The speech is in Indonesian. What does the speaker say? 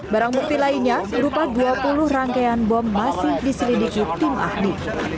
barang bukti lainnya berupa dua puluh rangkaian bom masih diselidiki tim ahli